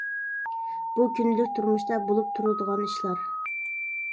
بۇ كۈندىلىك تۇرمۇشتا بولۇپ تۇرىدىغان ئىشلار.